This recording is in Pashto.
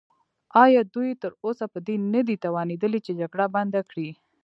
ایا دوی تراوسه په دې نه دي توانیدلي چې جګړه بنده کړي؟